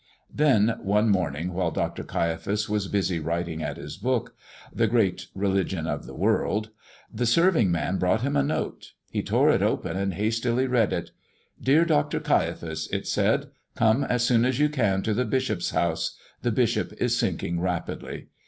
Then, one morning while Dr. Caiaphas was busy writing at his book, The Great Religion of the World, the serving man brought him a note. He tore it open and hastily read it. "Dear Dr. Caiaphas," it said, "come as soon as you can to the bishop's house. The bishop is sinking rapidly."